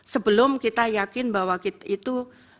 sebelum kita yakin bahwa itu